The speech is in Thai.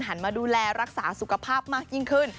มาดูแลรักษาสุขภาพมากยิ่งขึ้น